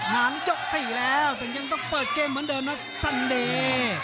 ยก๔แล้วถึงยังต้องเปิดเกมเหมือนเดิมนะสันเดย์